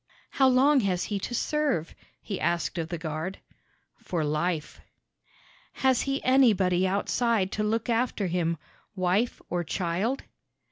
"How long has he to serve?" he asked of the guard. "For life." "Has he anybody outside to look after him wife or child?"